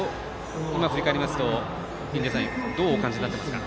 今、振り返りますとどうお感じになっていますか。